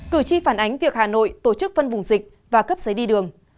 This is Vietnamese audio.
cử tri phản ánh việc hà nội tổ chức phân vùng dịch và cấp giấy đi đường